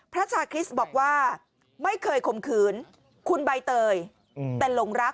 พระชาคริสต์บอกว่าไม่เคยข่มขืนคุณใบเตยแต่หลงรัก